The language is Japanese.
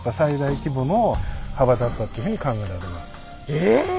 え！